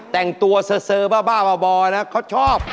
แต่งตัวเซอร์บ้าบ่อนะเขาชอบ